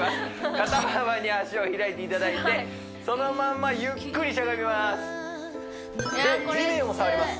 肩幅に足を開いていただいてそのまんまゆっくりしゃがみますで地面を触ります